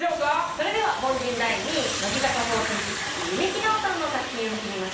それでは凡人第２位乃木坂４６弓木奈於さんの作品を見てみましょう。